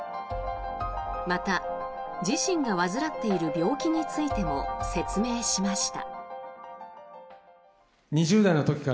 また、自信が患っている病気についても説明しました。